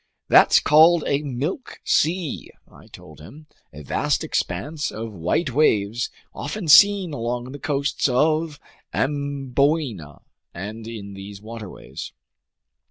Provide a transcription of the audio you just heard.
"That's called a milk sea," I told him, "a vast expanse of white waves often seen along the coasts of Amboina and in these waterways."